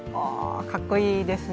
かっこいいですね。